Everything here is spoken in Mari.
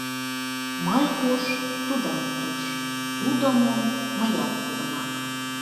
Мый куш — тудат туш, тудо мом — мыят тудымак.